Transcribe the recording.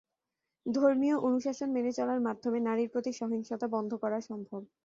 ধর্মীয় অনুশাসন মেনে চলার মাধ্যমে নারীর প্রতি সহিংসতা বন্ধ করা সম্ভব।